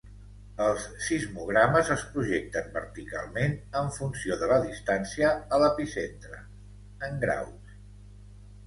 Els sismogrames es projecten verticalment en funció de la distància a l'epicentre, en graus.